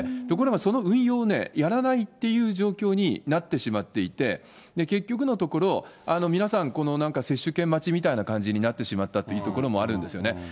ところがその運用をね、やらないっていう状況になってしまっていて、結局のところ、皆さん、このなんか、接種券待ちみたいな感じになってしまったというところもあるんですよね。